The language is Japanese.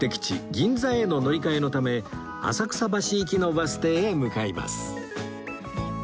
銀座への乗り換えのため浅草橋行きのバス停へ向かいます